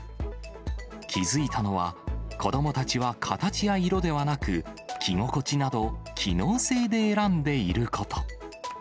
気付いたのは、子どもたちは形や色ではなく、着心地など、機能性で選んでいること。